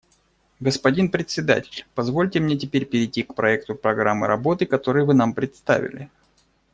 Господин Председатель, позвольте мне теперь перейти к проекту программы работы, который вы нам представили.